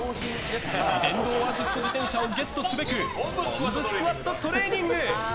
電動アシスト自転車をゲットすべくおんぶスクワットトレーニング。